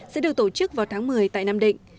sẽ được tổ chức vào tháng một mươi tại nam định